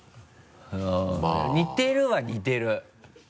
似てるは似てる。